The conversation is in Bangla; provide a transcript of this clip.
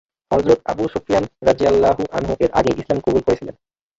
হযরত আবু সুফিয়ান রাযিয়াল্লাহু আনহু এর আগেই ইসলাম কবুল করেছিলেন।